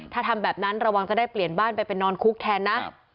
ถ้าทำแบบนั้นระวังจะได้เปลี่ยนบ้านไปไปนอนคุกแทนนะ